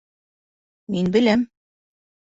Мин беләм.